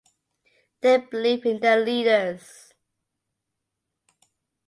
They believe in their leaders.